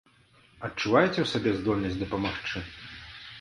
Адчуваеце ў сабе здольнасць дапамагчы?